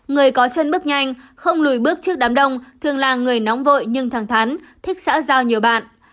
người có chân bước nhanh không lùi bước trước đám đông thường là người nóng vội nhưng thẳng thắn thích xã giao nhiều bạn